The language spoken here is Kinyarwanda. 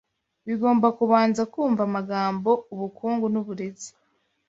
bigomba kubanza kumva amagambo ubukungu nuburezi